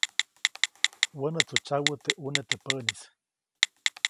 Wänätsu tsyawä teʼ ʼune teʼ päʼnis.